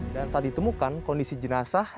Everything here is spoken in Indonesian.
dan saat ditemukan kondisi jenazah